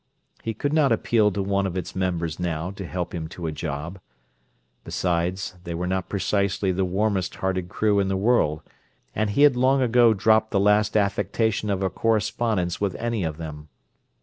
He could not appeal to one of its members now to help him to a job. Besides, they were not precisely the warmest hearted crew in the world, and he had long ago dropped the last affectation of a correspondence with any of them.